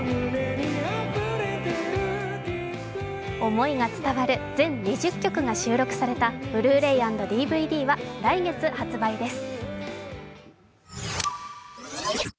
思いが伝わる全２０曲が収録されたＢｌｕ−ｒａｙ＆ＤＶＤは来月発売です。